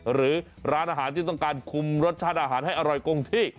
หรือร้านอาหารที่ต้องการคุมรสชาติอาหารให้อร่อยกงที่